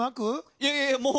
いやいやいやもう。